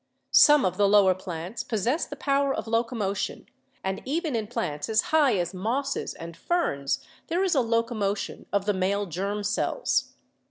Some of the lower plants possess the power of locomotion and even in plants as high as mosses and ferns there is a locomotion of the male germ cells.